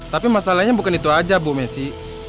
tapi masalahnya bukan itu aja bu messi